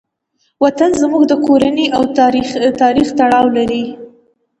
وطن زموږ د کورنۍ او تاریخ تړاو لري.